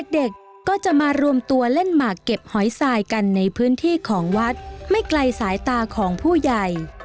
เด็กก็จะมารวมตัวเล่นหมากเก็บหอยทรายกันในพื้นที่ของวัดไม่ไกลสายตาของผู้ใหญ่